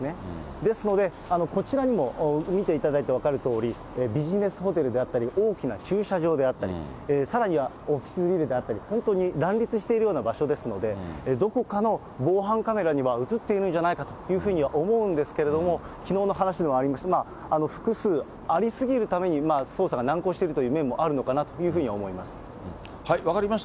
ですので、こちらにも、見ていただいて分かるとおり、ビジネスホテルであったり、大きな駐車場であったり、さらにはオフィスビルであったり、本当に乱立しているような場所ですので、どこかの防犯カメラには写っているんじゃないかというふうには思うんですけれども、きのうの話でもありました、まあ、複数ありすぎるために捜査が難航しているという面もあるのかなと分かりました。